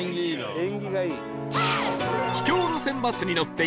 縁起がいい。